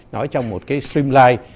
nói trong một cái stream live